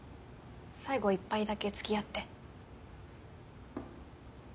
最後１杯だけ付き合って。